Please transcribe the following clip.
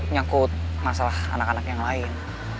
nyangkut masalah anak anak yang lain